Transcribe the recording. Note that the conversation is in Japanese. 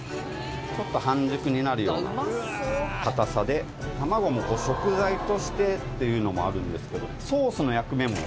ちょっと半熟になるような硬さで卵も食材としてっていうのもあるんですけれど。